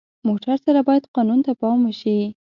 موټر سره باید قانون ته پام وشي.